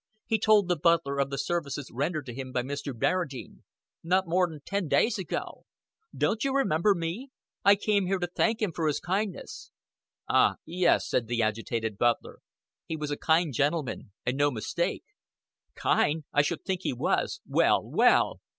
He told the butler of the services rendered to him by Mr. Barradine. "Not more'n ten days ago." "Don't you remember me? I came here to thank him for his kindness." "Ah, yes," said the agitated butler, "he was a kind gentleman, and no mistake." "Kind! I should think he was. Well, well!"